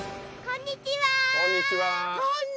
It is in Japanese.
こんにちは。